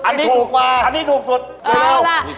อันนี้ถูกสุดเร็ว